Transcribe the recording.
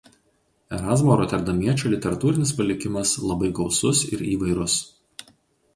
Erazmo Roterdamiečio literatūrinis palikimas labai gausus ir įvairus.